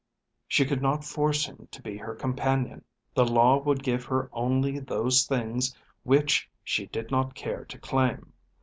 She could not force him to be her companion. The law would give her only those things which she did not care to claim.